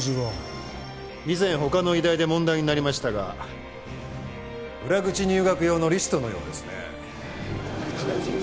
以前他の医大で問題になりましたが裏口入学用のリストのようですね。